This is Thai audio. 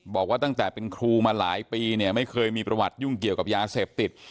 บอกว่าตั้งแต่เป็นครูมาหลายปีเนี่ยไม่เคยมีประวัติยุ่งเกี่ยวกับยาเสพติด